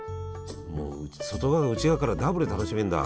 もう外側から内側からダブルで楽しめんだ。